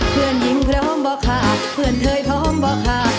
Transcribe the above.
เพื่อนยิ้มพร้อมปะค่ะเพื่อนเธอพร้อมปะค่ะ